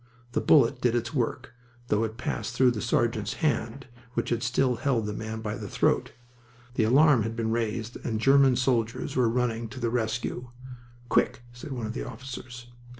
The bullet did its work, though it passed through the sergeant's hand, which had still held the man by the throat. The alarm had been raised and German soldiers were running to the rescue. "Quick!" said one of the officers.